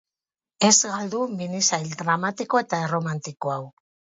Ez galdu minisail dramatiko eta erromantiko hau!